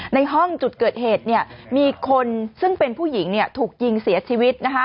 ในห้องจุดเกิดเหตุมีคนซึ่งเป็นผู้หญิงถูกยิงเสียชีวิต